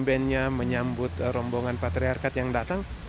tapi kalau di sini ada yang mengambil rombongan patriarkat yang datang